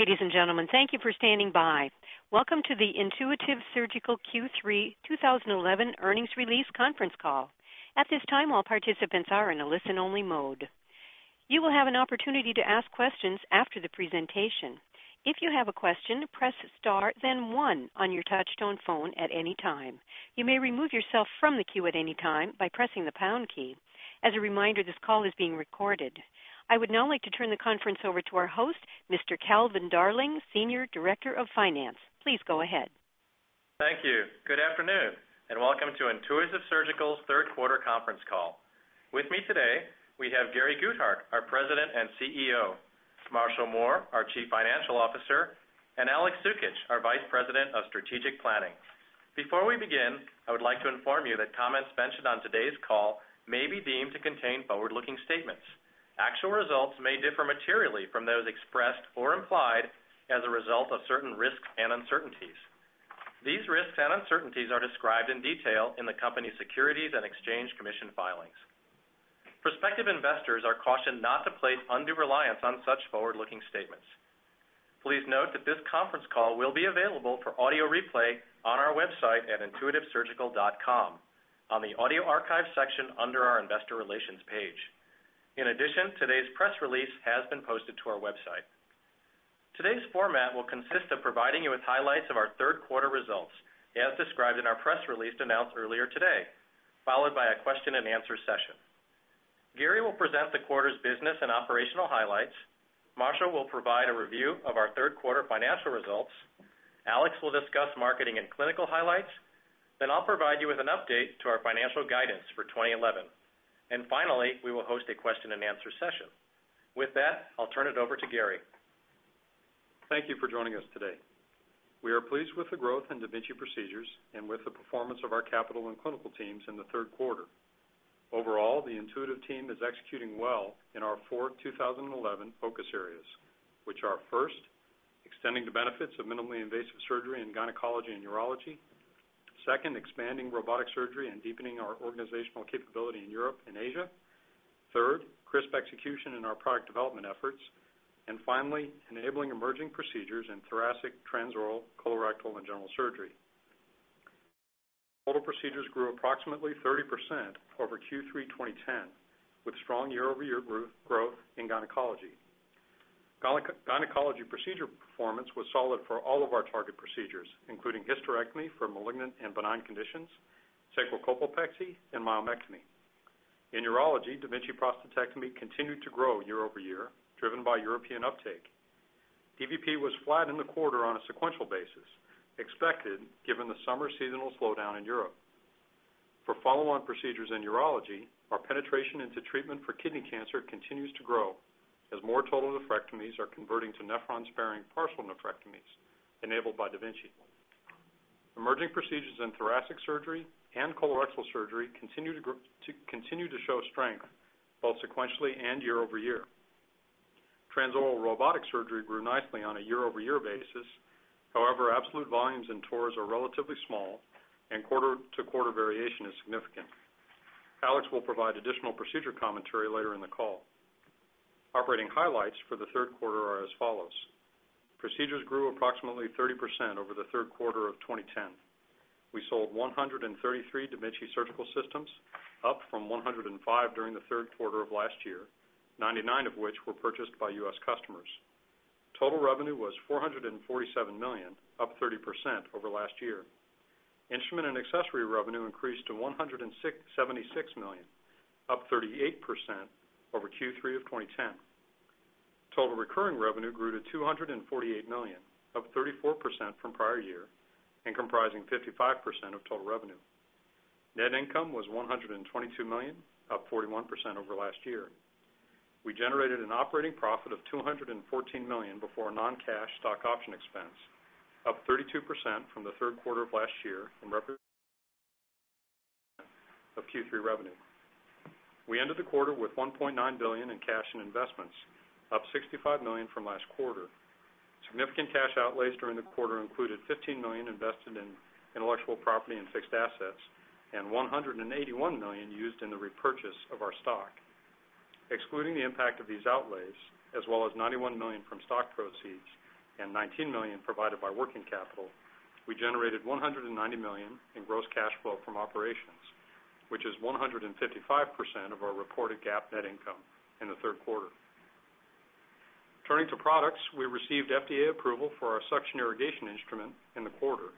Ladies and gentlemen, thank you for standing by. Welcome to the Intuitive Surgical Q3 2011 earnings release conference call. At this time, all participants are in a listen-only mode. You will have an opportunity to ask questions after the presentation. If you have a question, press star, then one on your touch-tone phone at any time. You may remove yourself from the queue at any time by pressing the pound key. As a reminder, this call is being recorded. I would now like to turn the conference over to our host, Mr. Calvin Darling, Senior Director of Finance. Please go ahead. Thank you. Good afternoon and welcome to Intuitive Surgical's third quarter conference call. With me today, we have Gary Guthart, our President and CEO, Marshall Mohr, our Chief Financial Officer, and Aleks Cukic, our Vice President of Strategic Planning. Before we begin, I would like to inform you that comments mentioned on today's call may be deemed to contain forward-looking statements. Actual results may differ materially from those expressed or implied as a result of certain risks and uncertainties. These risks and uncertainties are described in detail in the company's Securities and Exchange Commission filings. Prospective investors are cautioned not to place undue reliance on such forward-looking statements. Please note that this conference call will be available for audio replay on our website at intuitivesurgical.com, in the audio archives section under our Investor Relations page. In addition, today's press release has been posted to our website. Today's format will consist of providing you with highlights of our third quarter results, as described in our press release announced earlier today, followed by a question and answer session. Gary will present the quarter's business and operational highlights. Marshall will provide a review of our third quarter financial results. Aleks will discuss marketing and clinical highlights. I'll provide you with an update to our financial guidance for 2011. Finally, we will host a question and answer session. With that, I'll turn it over to Gary. Thank you for joining us today. We are pleased with the growth in Da Vinci procedures and with the performance of our capital and clinical teams in the third quarter. Overall, the Intuitive team is executing well in our four 2011 focus areas, which are first, extending the benefits of minimally invasive surgery in gynecology and urology, second, expanding robotic surgery and deepening our organizational capability in Europe and Asia, third, crisp execution in our product development efforts, and finally, enabling emerging procedures in thoracic, transoral, colorectal, and general surgery. Total procedures grew approximately 30% over Q3 2010, with strong year-over-year growth in gynecology. Gynecology procedure performance was solid for all of our target procedures, including hysterectomy for malignant and benign conditions, sacrocolpopexy, and myomectomy. In urology, Da Vinci prostatectomy continued to grow year-over-year, driven by European uptake. DVP was flat in the quarter on a sequential basis, expected given the summer seasonal slowdown in Europe. For follow-on procedures in urology, our penetration into treatment for kidney cancer continues to grow, as more total nephrectomies are converting to nephron-sparing partial nephrectomies, enabled by Da Vinci. Emerging procedures in thoracic surgery and colorectal surgery continue to show strength, both sequentially and year-over-year. Transoral robotic surgery grew nicely on a year-over-year basis. However, absolute volumes in TORs are relatively small, and quarter-to-quarter variation is significant. Aleks will provide additional procedure commentary later in the call. Operating highlights for the third quarter are as follows: procedures grew approximately 30% over the third quarter of 2010. We sold 133 Da Vinci Surgical Systems, up from 105 during the third quarter of last year, 99 of which were purchased by U.S. customers. Total revenue was $447 million, up 30% over last year. Instrument and accessory revenue increased to $176 million, up 38% over Q3 of 2010. Total recurring revenue grew to $248 million, up 34% from prior year, and comprising 55% of total revenue. Net income was $122 million, up 41% over last year. We generated an operating profit of $214 million before non-cash stock option expense, up 32% from the third quarter of last year in Q3 revenue. We ended the quarter with $1.9 billion in cash and investments, up $65 million from last quarter. Significant cash outlays during the quarter included $15 million invested in intellectual property and fixed assets, and $181 million used in the repurchase of our stock. Excluding the impact of these outlays, as well as $91 million from stock proceeds and $19 million provided by working capital, we generated $190 million in gross cash flow from operations, which is 155% of our reported GAAP net income in the third quarter. Turning to products, we received FDA approval for our suction irrigation instrument in the quarter,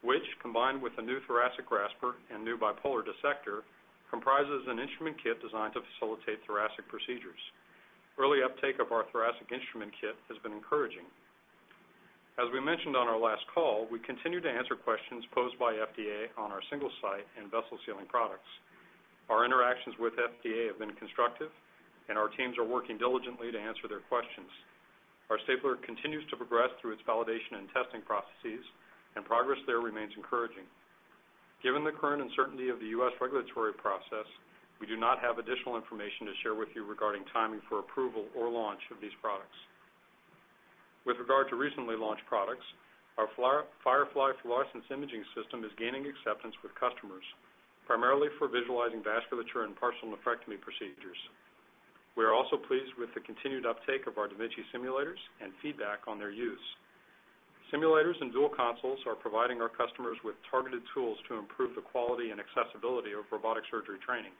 which, combined with a new thoracic grasper and new bipolar dissector, comprises an instrument kit designed to facilitate thoracic procedures. Early uptake of our thoracic instrument kit has been encouraging. As we mentioned on our last call, we continue to answer questions posed by the FDA on our single site and vessel sealing products. Our interactions with the FDA have been constructive, and our teams are working diligently to answer their questions. Our stapler continues to progress through its validation and testing processes, and progress there remains encouraging. Given the current uncertainty of the U.S. regulatory process, we do not have additional information to share with you regarding timing for approval or launch of these products. With regard to recently launched products, our Firefly fluorescence imaging system is gaining acceptance with customers, primarily for visualizing vasculature and partial nephrectomy procedures. We are also pleased with the continued uptake of our Da Vinci simulators and feedback on their use. Simulators and dual consoles are providing our customers with targeted tools to improve the quality and accessibility of robotic surgery training,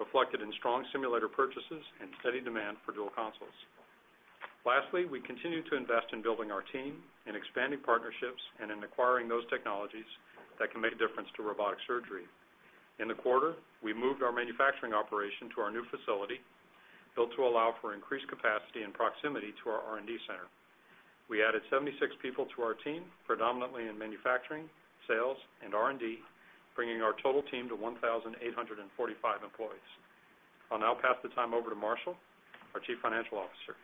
reflected in strong simulator purchases and steady demand for dual consoles. Lastly, we continue to invest in building our team, in expanding partnerships, and in acquiring those technologies that can make a difference to robotic surgery. In the quarter, we moved our manufacturing operation to our new facility, built to allow for increased capacity and proximity to our R&D center. We added 76 people to our team, predominantly in manufacturing, sales, and R&D, bringing our total team to 1,845 employees. I'll now pass the time over to Marshall, our Chief Financial Officer.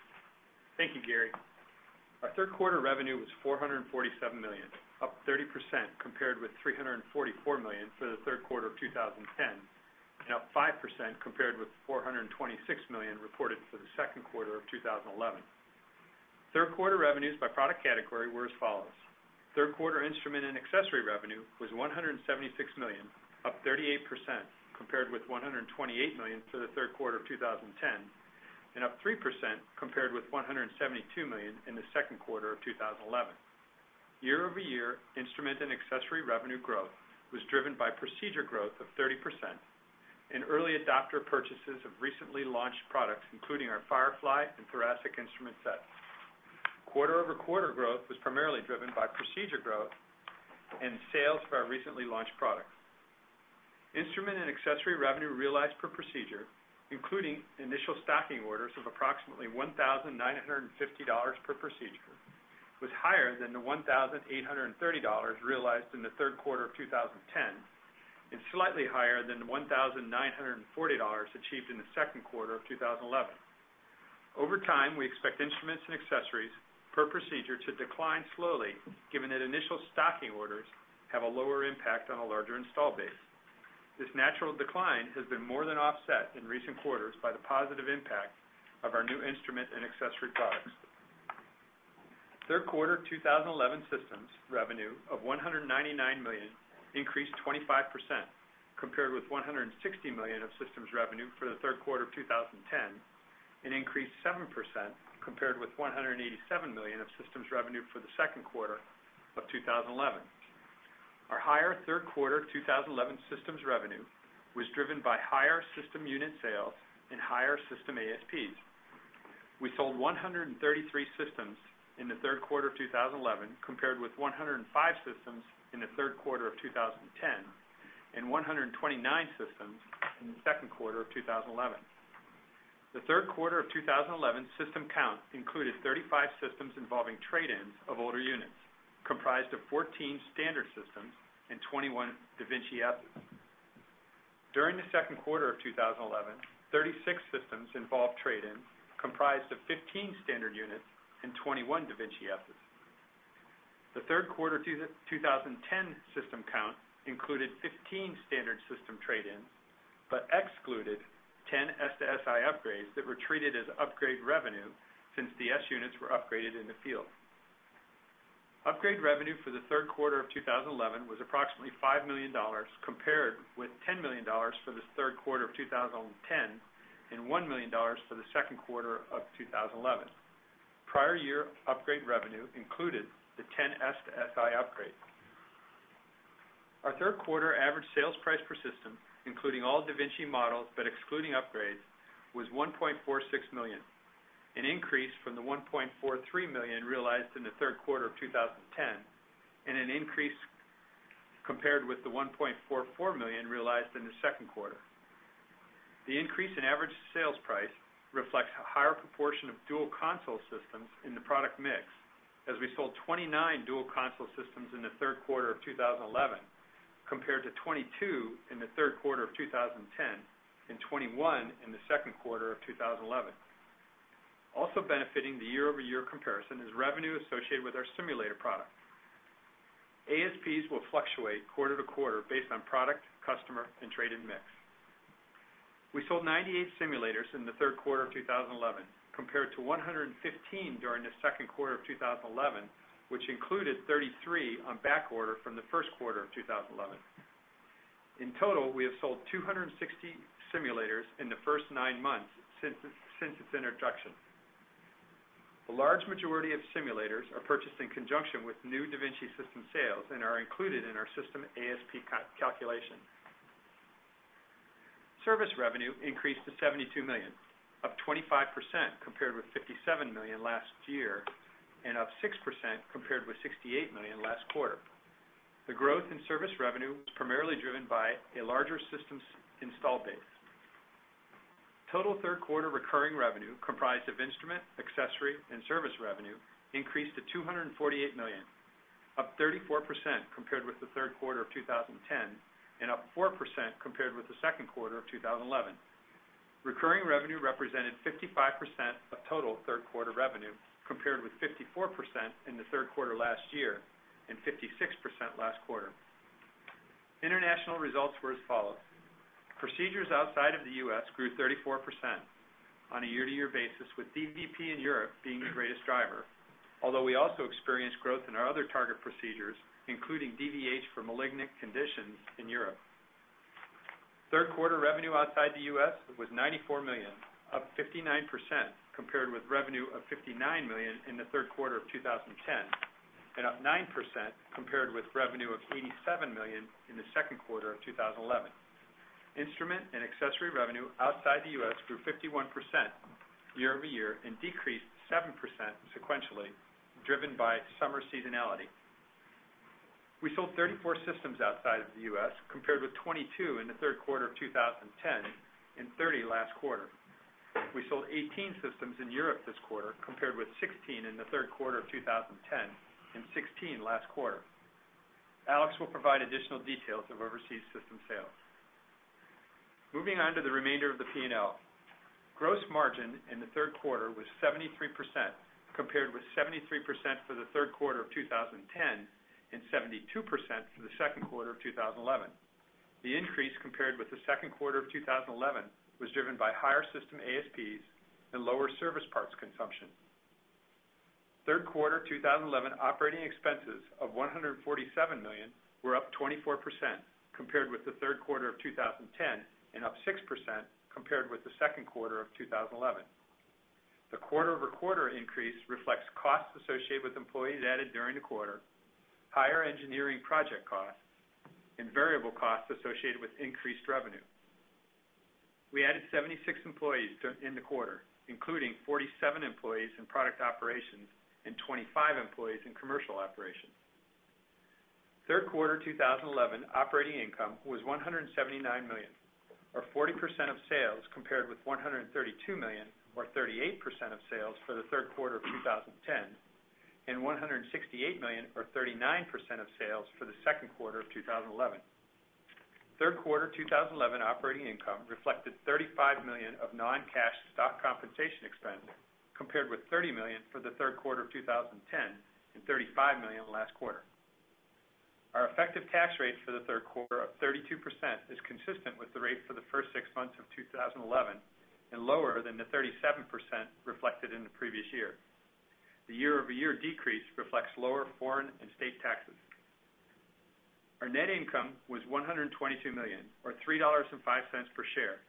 Thank you, Gary. Our third quarter revenue was $447 million, up 30% compared with $344 million for the third quarter of 2010, and up 5% compared with $426 million reported for the second quarter of 2011. Third quarter revenues by product category were as follows: third quarter instrument and accessory revenue was $176 million, up 38% compared with $128 million for the third quarter of 2010, and up 3% compared with $172 million in the second quarter of 2011. Year-over-year instrument and accessory revenue growth was driven by procedure growth of 30% and early adopter purchases of recently launched products, including our Firefly and thoracic instrument set. Quarter-over-quarter growth was primarily driven by procedure growth and sales for our recently launched products. Instrument and accessory revenue realized per procedure, including initial stocking orders of approximately $1,950 per procedure, was higher than the $1,830 realized in the third quarter of 2010 and slightly higher than the $1,940 achieved in the second quarter of 2011. Over time, we expect instruments and accessories per procedure to decline slowly, given that initial stocking orders have a lower impact on a larger install base. This natural decline has been more than offset in recent quarters by the positive impact of our new instrument and accessory products. Third quarter 2011 systems revenue of $199 million increased 25% compared with $160 million of systems revenue for the third quarter of 2010 and increased 7% compared with $187 million of systems revenue for the second quarter of 2011. Our higher third quarter 2011 systems revenue was driven by higher system unit sales and higher system ASPs. We sold 133 systems in the third quarter of 2011, compared with 105 systems in the third quarter of 2010 and 129 systems in the second quarter of 2011. The third quarter of 2011 system count included 35 systems involving trade-ins of older units, comprised of 14 standard systems and 21 Da Vinci assets. During the second quarter of 2011, 36 systems involved trade-ins, comprised of 15 standard units and 21 Da Vinci assets. The third quarter 2010 system count included 15 standard system trade-ins, but excluded 10 SSI upgrades that were treated as upgrade revenue since the S units were upgraded in the field. Upgrade revenue for the third quarter of 2011 was approximately $5 million, compared with $10 million for the third quarter of 2010 and $1 million for the second quarter of 2011. Prior year upgrade revenue included the 10 SSI upgrades. Our third quarter average sales price per system, including all Da Vinci models but excluding upgrades, was $1.46 million, an increase from the $1.43 million realized in the third quarter of 2010 and an increase compared with the $1.44 million realized in the second quarter. The increase in average sales price reflects a higher proportion of dual console systems in the product mix, as we sold 29 dual console systems in the third quarter of 2011, compared to 22 in the third quarter of 2010 and 21 in the second quarter of 2011. Also benefiting the year-over-year comparison is revenue associated with our simulator product. ASPs will fluctuate quarter to quarter based on product, customer, and trade-in mix. We sold 98 simulators in the third quarter of 2011, compared to 115 during the second quarter of 2011, which included 33 on backorder from the first quarter of 2011. In total, we have sold 260 simulators in the first nine months since its introduction. A large majority of simulators are purchased in conjunction with new Da Vinci system sales and are included in our system ASP calculation. Service revenue increased to $72 million, up 25% compared with $57 million last year, and up 6% compared with $68 million last quarter. The growth in service revenue is primarily driven by a larger systems install base. Total third quarter recurring revenue, comprised of instrument, accessory, and service revenue, increased to $248 million, up 34% compared with the third quarter of 2010 and up 4% compared with the second quarter of 2011. Recurring revenue represented 55% of total third quarter revenue, compared with 54% in the third quarter last year and 56% last quarter. International results were as follows: procedures outside of the U.S. grew 34% on a year-to-year basis, with DVP in Europe being the greatest driver, although we also experienced growth in our other target procedures, including DVH for malignant conditions in Europe. Third quarter revenue outside the U.S. was $94 million, up 59% compared with revenue of $59 million in the third quarter of 2010 and up 9% compared with revenue of $87 million in the second quarter of 2011. Instrument and accessory revenue outside the U.S. grew 51% year-over-year and decreased 7% sequentially, driven by summer seasonality. We sold 34 systems outside of the U.S., compared with 22 in the third quarter of 2010 and 30 last quarter. We sold 18 systems in Europe this quarter, compared with 16 in the third quarter of 2010 and 16 last quarter. Aleks will provide additional details of overseas system sales. Moving on to the remainder of the P&L, gross margin in the third quarter was 73%, compared with 73% for the third quarter of 2010 and 72% for the second quarter of 2011. The increase compared with the second quarter of 2011 was driven by higher system ASPs and lower service parts consumption. Third quarter 2011 operating expenses of $147 million were up 24% compared with the third quarter of 2010 and up 6% compared with the second quarter of 2011. The quarter-over-quarter increase reflects costs associated with employees added during the quarter, higher engineering project costs, and variable costs associated with increased revenue. We added 76 employees in the quarter, including 47 employees in product operations and 25 employees in commercial operations. Third quarter 2011 operating income was $179 million, or 40% of sales, compared with $132 million, or 38% of sales for the third quarter of 2010, and $168 million, or 39% of sales for the second quarter of 2011. Third quarter 2011 operating income reflected $35 million of non-cash stock compensation expense, compared with $30 million for the third quarter of 2010 and $35 million last quarter. Our effective tax rate for the third quarter of 32% is consistent with the rate for the first six months of 2011 and lower than the 37% reflected in the previous year. The year-over-year decrease reflects lower foreign and state taxes. Our net income was $122 million, or $3.05 per share,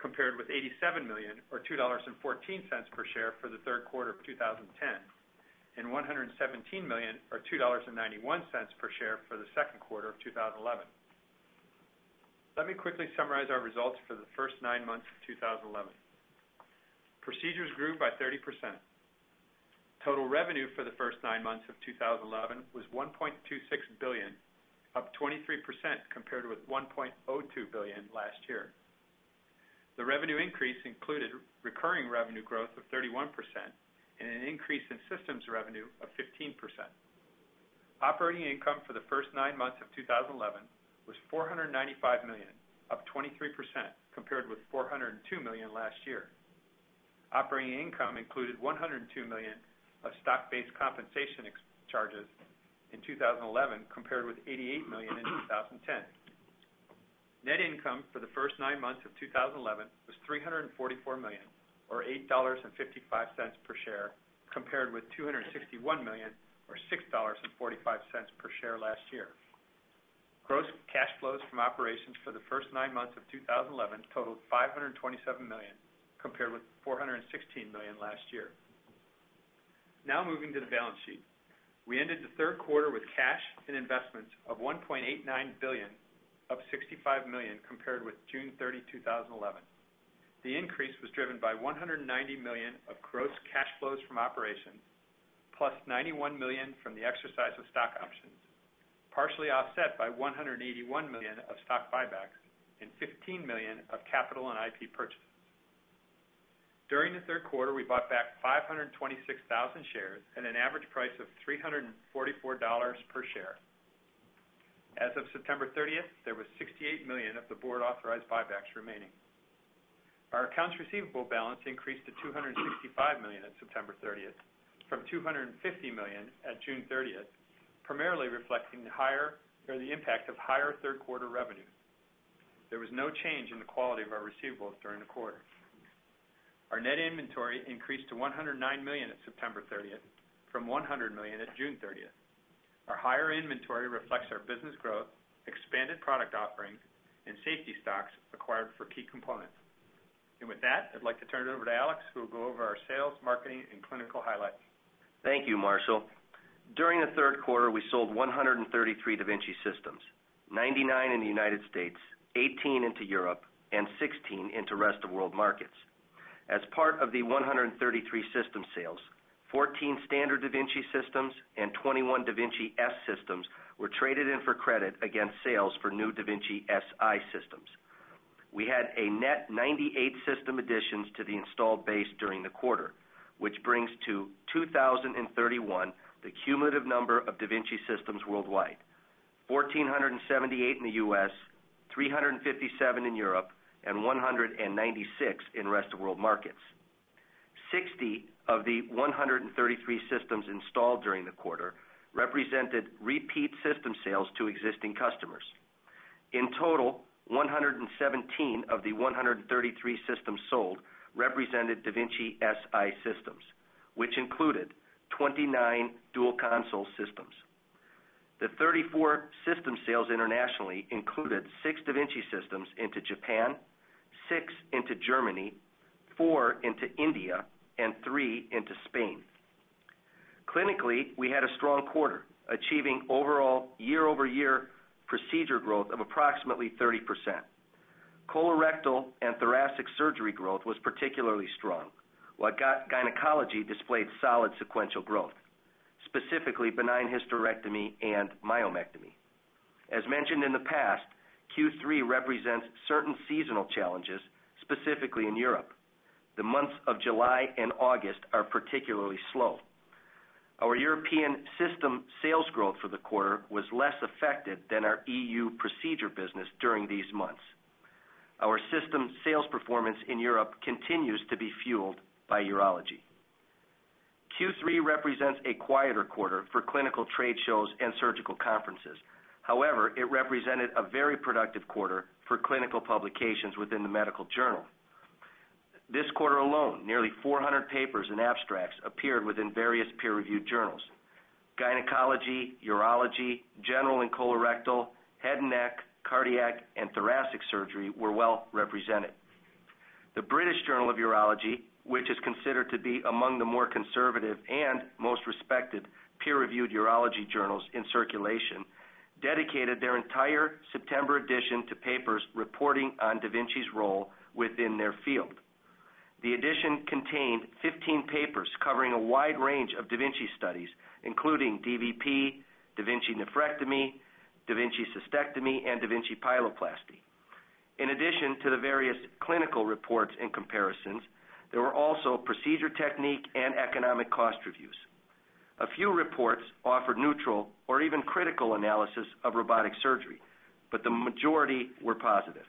compared with $87 million, or $2.14 per share for the third quarter of 2010 and $117 million, or $2.91 per share for the second quarter of 2011. Let me quickly summarize our results for the first nine months of 2011. Procedures grew by 30%. Total revenue for the first nine months of 2011 was $1.26 billion, up 23% compared with $1.02 billion last year. The revenue increase included recurring revenue growth of 31% and an increase in systems revenue of 15%. Operating income for the first nine months of 2011 was $495 million, up 23% compared with $402 million last year. Operating income included $102 million of stock-based compensation charges in 2011 compared with $88 million in 2010. Net income for the first nine months of 2011 was $344 million, or $8.55 per share, compared with $261 million, or $6.45 per share last year. Gross cash flows from operations for the first nine months of 2011 totaled $527 million, compared with $416 million last year. Now moving to the balance sheet, we ended the third quarter with cash and investments of $1.89 billion, up $65 million compared with June 30, 2011. The increase was driven by $190 million of gross cash flows from operations, plus $91 million from the exercise of stock options, partially offset by $181 million of stock buybacks and $15 million of capital and IP purchases. During the third quarter, we bought back 526,000 shares at an average price of $344 per share. As of September 30th, there was $68 million of the board authorized buybacks remaining. Our accounts receivable balance increased to $265 million at September 30th, from $250 million at June 30th, primarily reflecting the impact of higher third quarter revenues. There was no change in the quality of our receivables during the quarter. Our net inventory increased to $109 million at September 30th, from $100 million at June 30th. Our higher inventory reflects our business growth, expanded product offerings, and safety stocks acquired for key components. With that, I'd like to turn it over to Aleks, who will go over our sales, marketing, and clinical highlights. Thank you, Marshall. During the third quarter, we sold 133 Da Vinci systems, 99 in the U.S., 18 into Europe, and 16 into the rest of the world markets. As part of the 133 system sales, 14 standard Da Vinci systems and 21 Da Vinci S systems were traded in for credit against sales for new Da Vinci SI systems. We had a net 98 system additions to the install base during the quarter, which brings to 2,031 the cumulative number of Da Vinci systems worldwide: 1,478 in the U.S., 357 in Europe, and 196 in the rest of the world markets. 60 of the 133 systems installed during the quarter represented repeat system sales to existing customers. In total, 117 of the 133 systems sold represented Da Vinci SI systems, which included 29 dual console systems. The 34 system sales internationally included six Da Vinci systems into Japan, six into Germany, four into India, and three into Spain. Clinically, we had a strong quarter, achieving overall year-over-year procedure growth of approximately 30%. Colorectal and thoracic surgery growth was particularly strong, while gynecology displayed solid sequential growth, specifically benign hysterectomy and myomectomy. As mentioned in the past, Q3 represents certain seasonal challenges, specifically in Europe. The months of July and August are particularly slow. Our European system sales growth for the quarter was less affected than our EU procedure business during these months. Our system sales performance in Europe continues to be fueled by urology. Q3 represents a quieter quarter for clinical trade shows and surgical conferences. However, it represented a very productive quarter for clinical publications within the medical journal. This quarter alone, nearly 400 papers and abstracts appeared within various peer-reviewed journals. Gynecology, urology, general and colorectal, head and neck, cardiac, and thoracic surgery were well represented. The British Journal of Urology, which is considered to be among the more conservative and most respected peer-reviewed urology journals in circulation, dedicated their entire September edition to papers reporting on Da Vinci's role within their field. The edition contained 15 papers covering a wide range of Da Vinci studies, including DVP, Da Vinci nephrectomy, Da Vinci cystectomy, and Da Vinci pyeloplasty. In addition to the various clinical reports and comparisons, there were also procedure technique and economic cost reviews. A few reports offered neutral or even critical analysis of robotic surgery, but the majority were positive.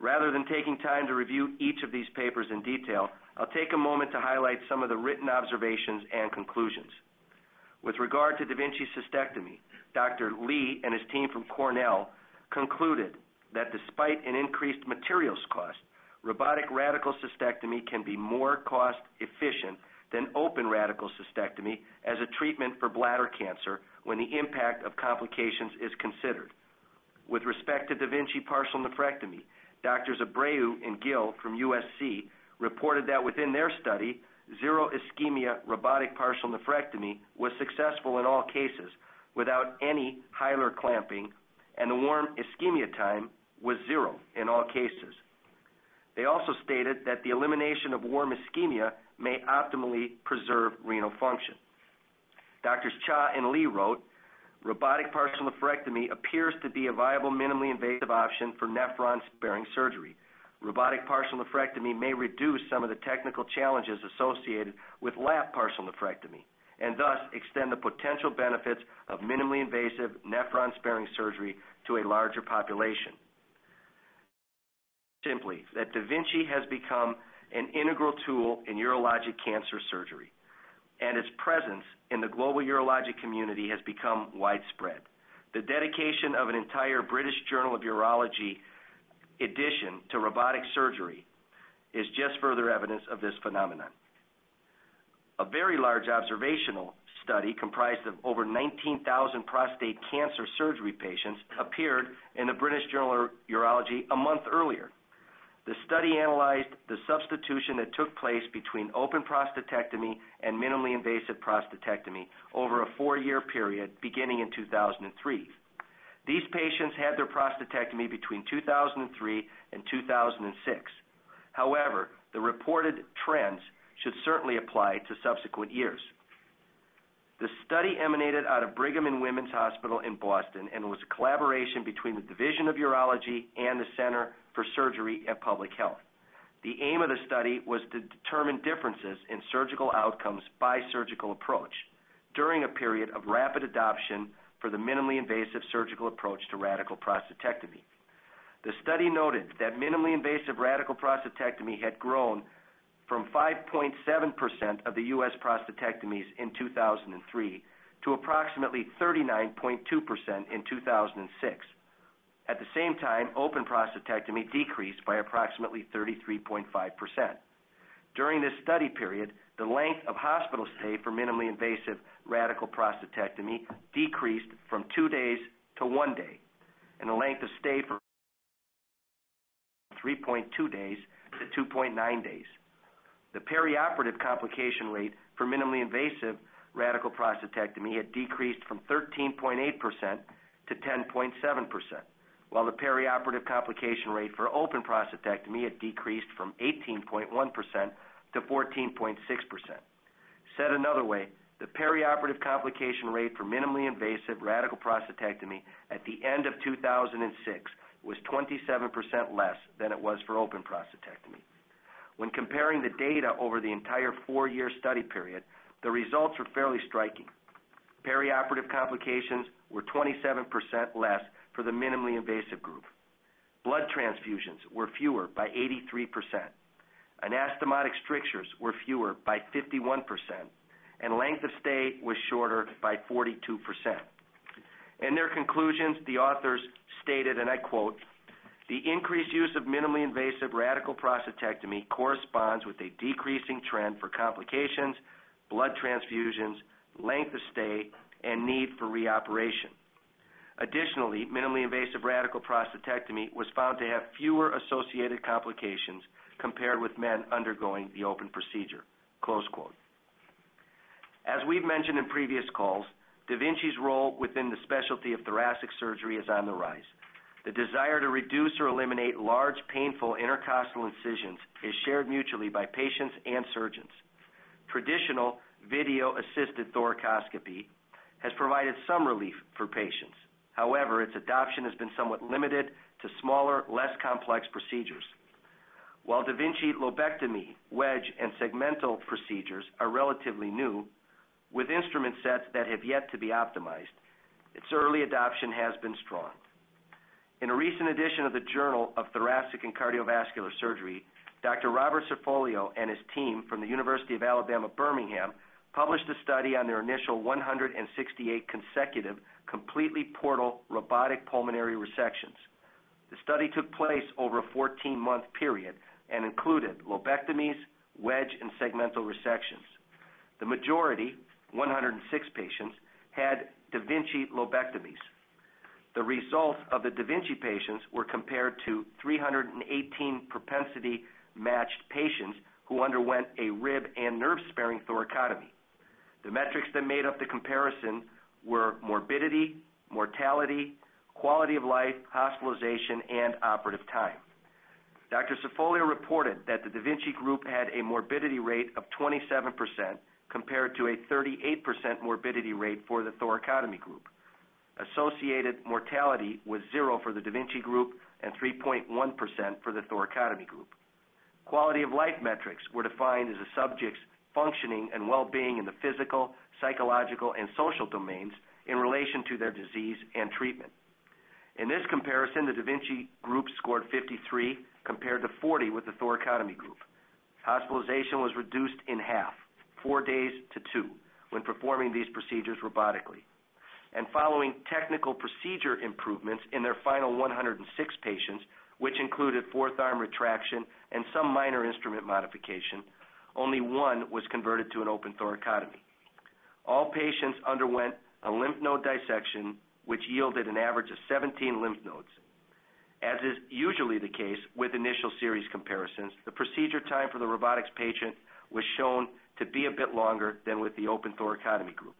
Rather than taking time to review each of these papers in detail, I'll take a moment to highlight some of the written observations and conclusions. With regard to Da Vinci cystectomy, Dr. Lee and his team from Cornell concluded that despite an increased materials cost, robotic radical cystectomy can be more cost-efficient than open radical cystectomy as a treatment for bladder cancer when the impact of complications is considered. With respect to Da Vinci partial nephrectomy, Dr. Abreu and Gill from USC reported that within their study, zero ischemia robotic partial nephrectomy was successful in all cases without any hilar clamping, and the warm ischemia time was zero in all cases. They also stated that the elimination of warm ischemia may optimally preserve renal function. Dr. Cha and Lee wrote, "Robotic partial nephrectomy appears to be a viable minimally invasive option for nephron-sparing surgery." Robotic partial nephrectomy may reduce some of the technical challenges associated with lap partial nephrectomy and thus extend the potential benefits of minimally invasive nephron-sparing surgery to a larger population. Simply that Da Vinci has become an integral tool in urologic cancer surgery, and its presence in the global urologic community has become widespread. The dedication of an entire British Journal of Urology edition to robotic surgery is just further evidence of this phenomenon. A very large observational study comprised of over 19,000 prostate cancer surgery patients appeared in the British Journal of Urology a month earlier. The study analyzed the substitution that took place between open prostatectomy and minimally invasive prostatectomy over a four-year period beginning in 2003. These patients had their prostatectomy between 2003 and 2006. However, the reported trends should certainly apply to subsequent years. The study emanated out of Brigham and Women's Hospital in Boston, and it was a collaboration between the Division of Urology and the Center for Surgery at Public Health. The aim of the study was to determine differences in surgical outcomes by surgical approach during a period of rapid adoption for the minimally invasive surgical approach to radical prostatectomy. The study noted that minimally invasive radical prostatectomy had grown from 5.7% of the US prostatectomies in 2003 to approximately 39.2% in 2006. At the same time, open prostatectomy decreased by approximately 33.5%. During this study period, the length of hospital stay for minimally invasive radical prostatectomy decreased from two days to one day, and the length of stay from 3.2 days-2.9 days. The perioperative complication rate for minimally invasive radical prostatectomy had decreased from 13.8% to 10.7%, while the perioperative complication rate for open prostatectomy had decreased from 18.1% to 14.6%. Said another way, the perioperative complication rate for minimally invasive radical prostatectomy at the end of 2006 was 27% less than it was for open prostatectomy. When comparing the data over the entire four-year study period, the results were fairly striking. Perioperative complications were 27% less for the minimally invasive group. Blood transfusions were fewer by 83%. Anastomotic strictures were fewer by 51%, and length of stay was shorter by 42%. In their conclusions, the authors stated, and I quote, "The increased use of minimally invasive radical prostatectomy corresponds with a decreasing trend for complications, blood transfusions, length of stay, and need for reoperation. Additionally, minimally invasive radical prostatectomy was found to have fewer associated complications compared with men undergoing the open procedure." As we've mentioned in previous calls, Da Vinci's role within the specialty of thoracic surgery is on the rise. The desire to reduce or eliminate large, painful intercostal incisions is shared mutually by patients and surgeons. Traditional video-assisted thoracoscopy has provided some relief for patients. However, its adoption has been somewhat limited to smaller, less complex procedures. While Da Vinci lobectomy, wedge, and segmental procedures are relatively new, with instrument sets that have yet to be optimized, its early adoption has been strong. In a recent edition of the Journal of Thoracic and Cardiovascular Surgery, Dr. Robert Cerfolio and his team from the University of Alabama, Birmingham, published a study on their initial 168 consecutive completely portal robotic pulmonary resections. The study took place over a 14-month period and included lobectomies, wedge, and segmental resections. The majority, 106 patients, had Da Vinci lobectomies. The results of the Da Vinci patients were compared to 318 propensity-matched patients who underwent a rib and nerve-sparing thoracotomy. The metrics that made up the comparison were morbidity, mortality, quality of life, hospitalization, and operative time. Dr. Cerfolio reported that the Da Vinci group had a morbidity rate of 27% compared to a 38% morbidity rate for the thoracotomy group. Associated mortality was zero for the Da Vinci group and 3.1% for the thoracotomy group. Quality of life metrics were defined as a subject's functioning and well-being in the physical, psychological, and social domains in relation to their disease and treatment. In this comparison, the Da Vinci group scored 53 compared to 40 with the thoracotomy group. Hospitalization was reduced in half, four days to two when performing these procedures robotically. Following technical procedure improvements in their final 106 patients, which included four-thumb retraction and some minor instrument modification, only one was converted to an open thoracotomy. All patients underwent a lymph node dissection, which yielded an average of 17 lymph nodes. As is usually the case with initial series comparisons, the procedure time for the robotics patient was shown to be a bit longer than with the open thoracotomy group.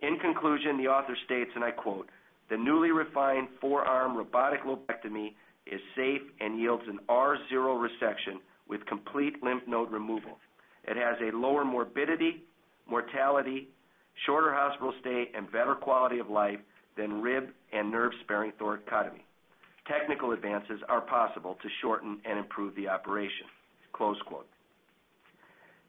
In conclusion, the author states, and I quote, "The newly refined four-arm robotic lobectomy is safe and yields an R0 resection with complete lymph node removal. It has a lower morbidity, mortality, shorter hospital stay, and better quality of life than rib and nerve-sparing thoracotomy. Technical advances are possible to shorten and improve the operation."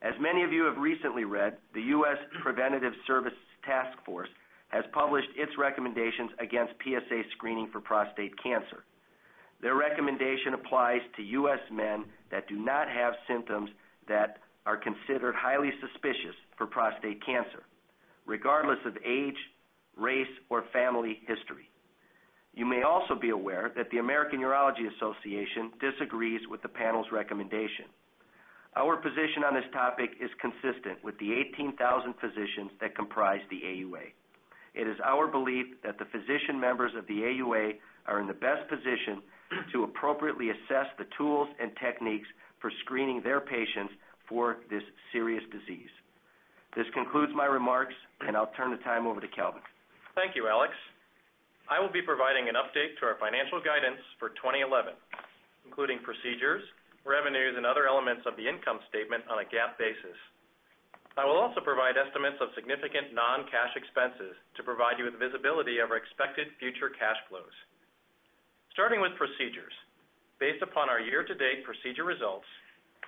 As many of you have recently read, the U.S. Preventive Services Task Force has published its recommendations against PSA screening for prostate cancer. Their recommendation applies to U.S. men that do not have symptoms that are considered highly suspicious for prostate cancer, regardless of age, race, or family history. You may also be aware that the American Urology Association disagrees with the panel's recommendation. Our position on this topic is consistent with the 18,000 physicians that comprise the AUA. It is our belief that the physician members of the AUA are in the best position to appropriately assess the tools and techniques for screening their patients for this serious disease. This concludes my remarks, and I'll turn the time over to Calvin. Thank you, Aleks. I will be providing an update to our financial guidance for 2011, including procedures, revenues, and other elements of the income statement on a GAAP basis. I will also provide estimates of significant non-cash expenses to provide you with visibility of our expected future cash flows. Starting with procedures, based upon our year-to-date procedure results,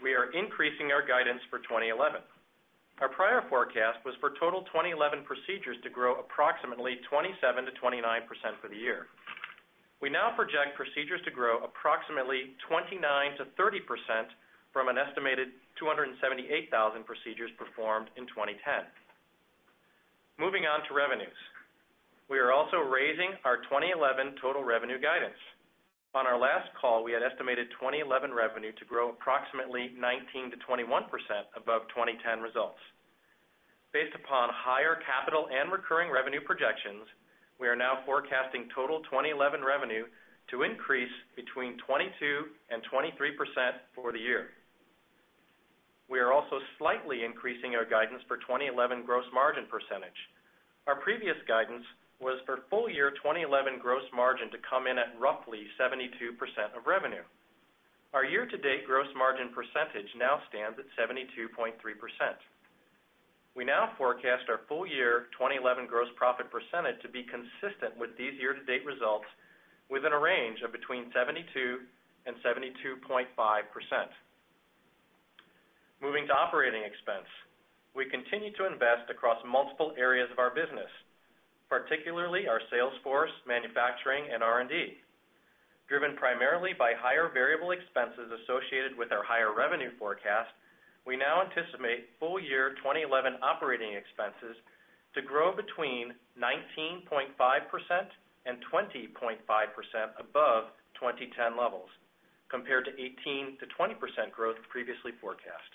we are increasing our guidance for 2011. Our prior forecast was for total 2011 procedures to grow approximately 27%-29% for the year. We now project procedures to grow approximately 29%-30% from an estimated 278,000 procedures performed in 2010. Moving on to revenues, we are also raising our 2011 total revenue guidance. On our last call, we had estimated 2011 revenue to grow approximately 19%-21% above 2010 results. Based upon higher capital and recurring revenue projections, we are now forecasting total 2011 revenue to increase between 22% and 23% for the year. We are also slightly increasing our guidance for 2011 gross margin percentage. Our previous guidance was for full-year 2011 gross margin to come in at roughly 72% of revenue. Our year-to-date gross margin percentage now stands at 72.3%. We now forecast our full-year 2011 gross profit percentage to be consistent with these year-to-date results, within a range of between 72% and 72.5%. Moving to operating expense, we continue to invest across multiple areas of our business, particularly our sales force, manufacturing, and R&D. Driven primarily by higher variable expenses associated with our higher revenue forecast, we now anticipate full-year 2011 operating expenses to grow between 19.5% and 20.5% above 2010 levels, compared to 18%-20% growth previously forecast.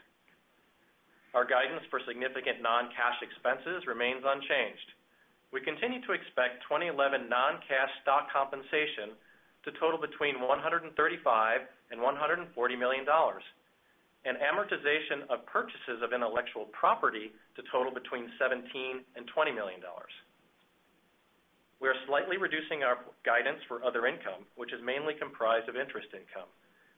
Our guidance for significant non-cash expenses remains unchanged. We continue to expect 2011 non-cash stock compensation to total between $135 million and $140 million and amortization of purchases of intellectual property to total between $17 million and $20 million. We are slightly reducing our guidance for other income, which is mainly comprised of interest income.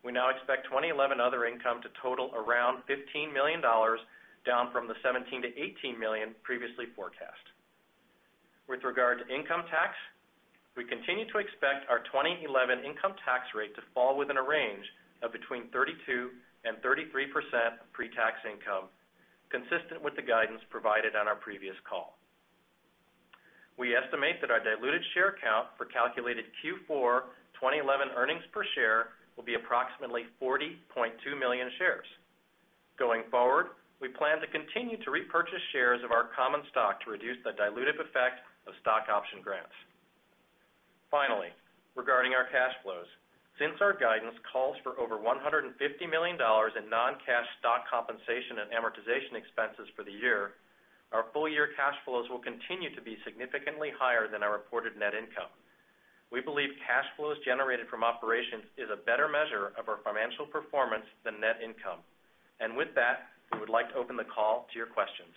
We now expect 2011 other income to total around $15 million, down from the $17 million-$18 million previously forecast. With regard to income tax, we continue to expect our 2011 income tax rate to fall within a range of between 32% and 33% of pre-tax income, consistent with the guidance provided on our previous call. We estimate that our diluted share count for calculated Q4 2011 earnings per share will be approximately 40.2 million shares. Going forward, we plan to continue to repurchase shares of our common stock to reduce the dilutive effect of stock option grants. Finally, regarding our cash flows, since our guidance calls for over $150 million in non-cash stock compensation and amortization expenses for the year, our full-year cash flows will continue to be significantly higher than our reported net income. We believe cash flows generated from operations is a better measure of our financial performance than net income. We would like to open the call to your questions.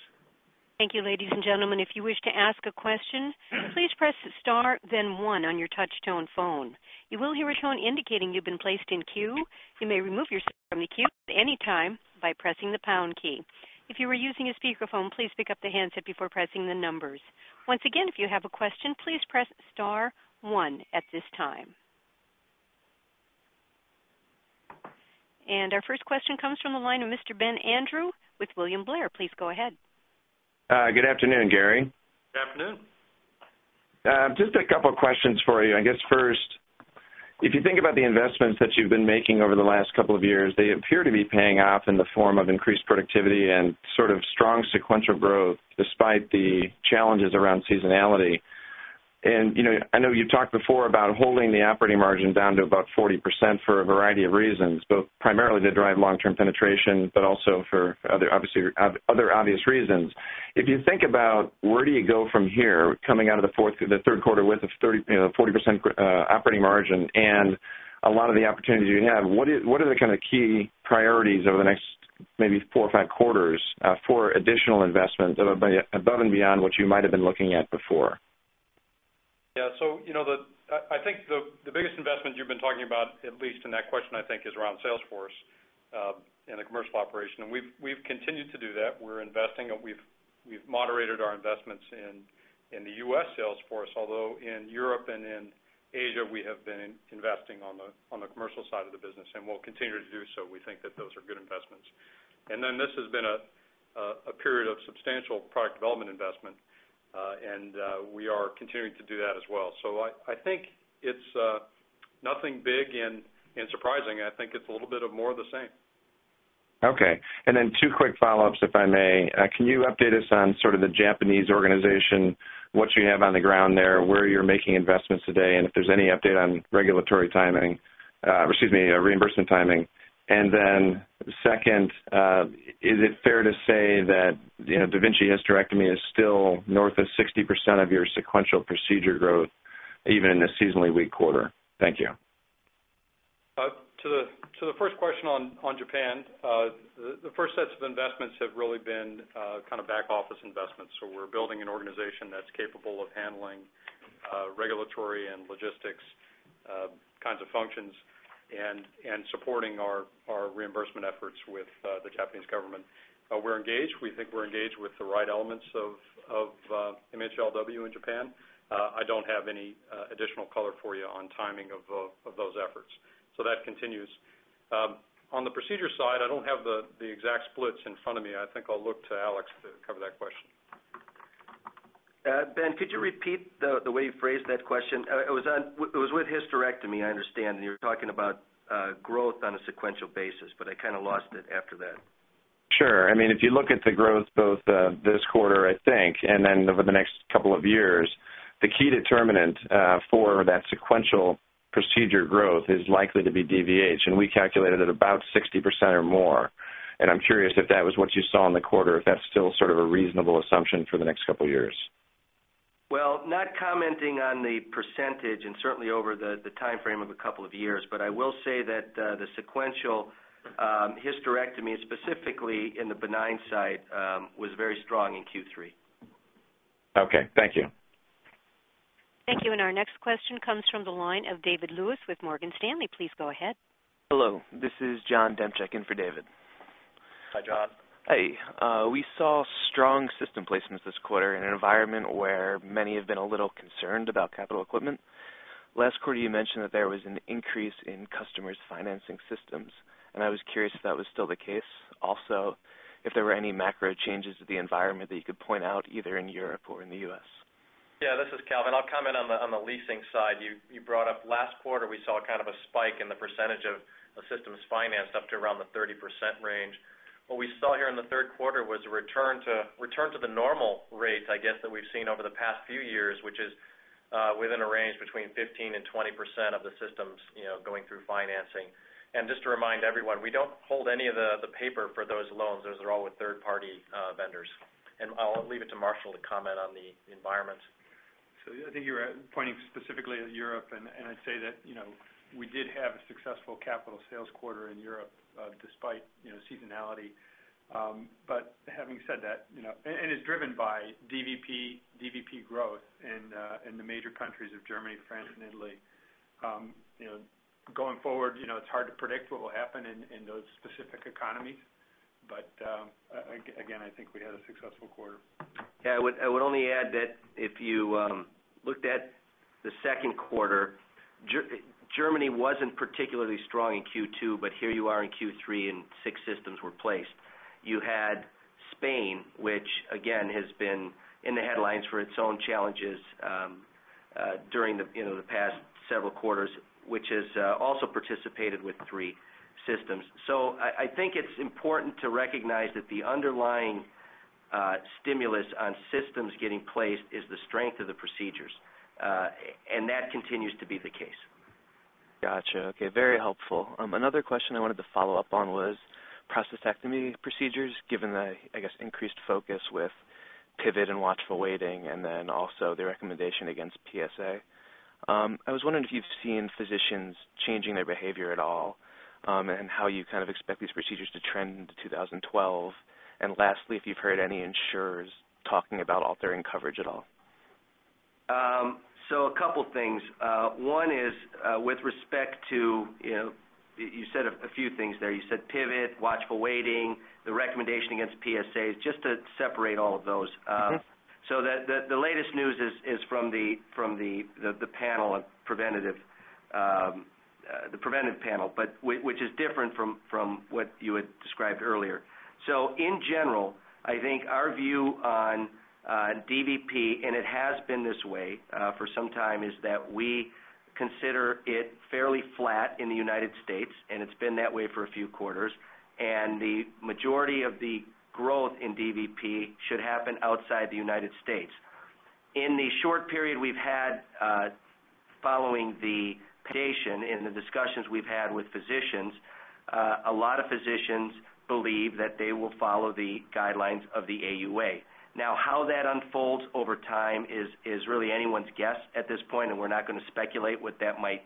Thank you, ladies and gentlemen. If you wish to ask a question, please press the star, then one on your touch-tone phone. You will hear a tone indicating you've been placed in queue. You may remove yourself from the queue at any time by pressing the pound key. If you are using a speakerphone, please pick up the handset before pressing the numbers. Once again, if you have a question, please press star one at this time. Our first question comes from the line of Mr. Ben Andrew with William Blair. Please go ahead. Good afternoon, Gary. Good afternoon. Just a couple of questions for you. I guess first, if you think about the investments that you've been making over the last couple of years, they appear to be paying off in the form of increased productivity and strong sequential growth despite the challenges around seasonality. I know you've talked before about holding the operating margin down to about 40% for a variety of reasons, primarily to drive long-term penetration, but also for other obvious reasons. If you think about where you go from here, coming out of the third quarter with a 40% operating margin and a lot of the opportunities you have, what are the key priorities over the next maybe four or five quarters for additional investment above and beyond what you might have been looking at before? Yeah, I think the biggest investment you've been talking about, at least in that question, is around sales force in the commercial operation. We've continued to do that. We're investing, and we've moderated our investments in the U.S. sales force, although in Europe and in Asia, we have been investing on the commercial side of the business and will continue to do so. We think that those are good investments. This has been a period of substantial product development investment, and we are continuing to do that as well. I think it's nothing big and surprising. I think it's a little bit more of the same. OK. Two quick follow-ups, if I may. Can you update us on the Japanese organization, what you have on the ground there, where you're making investments today, and if there's any update on regulatory timing, or excuse me, reimbursement timing? Second, is it fair to say that Da Vinci hysterectomy is still north of 60% of your sequential procedure growth, even in the seasonally weak quarter? Thank you. To the first question on Japan, the first sets of investments have really been kind of back office investments. We're building an organization that's capable of handling regulatory and logistics kinds of functions and supporting our reimbursement efforts with the Japanese government. We're engaged. We think we're engaged with the right elements of NHLW in Japan. I don't have any additional color for you on timing of those efforts. That continues. On the procedure side, I don't have the exact splits in front of me. I think I'll look to Aleks to cover that question. Ben, could you repeat the way you phrased that question? It was with hysterectomy, I understand, and you're talking about growth on a sequential basis. I kind of lost it after that. Sure. If you look at the growth both this quarter, I think, and then over the next couple of years, the key determinant for that sequential procedure growth is likely to be DVH, and we calculated it at about 60% or more. I'm curious if that was what you saw in the quarter, if that's still sort of a reasonable assumption for the next couple of years. Not commenting on the percentage and certainly over the time frame of a couple of years, I will say that the sequential hysterectomy, specifically in the benign side, was very strong in Q3. OK, thank you. Thank you. Our next question comes from the line of David Lewis with Morgan Stanley. Please go ahead. Hello. This is John Demchick in for David. Hi, John. Hi. We saw strong system placements this quarter in an environment where many have been a little concerned about capital equipment. Last quarter, you mentioned that there was an increase in customers financing systems, and I was curious if that was still the case. Also, if there were any macro changes to the environment that you could point out, either in Europe or in the U.S. Yeah, this is Calvin. I'll comment on the leasing side. You brought up last quarter we saw kind of a spike in the % of systems financed up to around the 30% range. What we saw here in the third quarter was a return to the normal rate, I guess, that we've seen over the past few years, which is within a range between 15% and 20% of the systems going through financing. Just to remind everyone, we don't hold any of the paper for those loans. Those are all with third-party vendors. I'll leave it to Marshall to comment on the environment. I think you were pointing specifically at Europe, and I'd say that we did have a successful capital sales quarter in Europe despite seasonality. Having said that, it's driven by DVP, DVP growth in the major countries of Germany, France, and Italy. Going forward, it's hard to predict what will happen in those specific economies. Again, I think we had a successful quarter. Yeah, I would only add that if you looked at the second quarter, Germany wasn't particularly strong in Q2, but here you are in Q3, and six systems were placed. You had Spain, which again has been in the headlines for its own challenges during the past several quarters, which has also participated with three systems. I think it's important to recognize that the underlying stimulus on systems getting placed is the strength of the procedures, and that continues to be the case. Gotcha. OK, very helpful. Another question I wanted to follow up on was prostatectomy procedures, given the, I guess, increased focus with pivot and watchful waiting, and then also the recommendation against PSA. I was wondering if you've seen physicians changing their behavior at all and how you kind of expect these procedures to trend in 2012. Lastly, if you've heard any insurers talking about altering coverage at all. A couple of things. One is with respect to, you said a few things there. You said pivot, watchful waiting, the recommendation against PSA, just to separate all of those. The latest news is from the panel, the preventive panel, which is different from what you had described earlier. In general, I think our view on DVP, and it has been this way for some time, is that we consider it fairly flat in the U.S., and it's been that way for a few quarters. The majority of the growth in DVP should happen outside the U.S. In the short period we've had following the pivotation and the discussions we've had with physicians, a lot of physicians believe that they will follow the guidelines of the AUA. How that unfolds over time is really anyone's guess at this point, and we're not going to speculate what that might